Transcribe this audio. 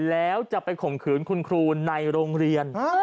แล้วจะไปข่มขืนคุณครูในโรงเรียน